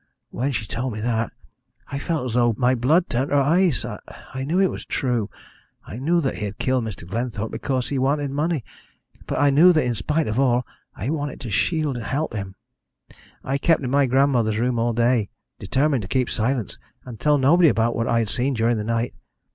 "When she told me that I felt as though my blood turned to ice. I knew it was true I knew that he had killed Mr. Glenthorpe because he wanted money but I knew that in spite of all I wanted to shield and help him. I kept in my grandmother's room all day, determined to keep silence, and tell nobody about what I had seen during the night.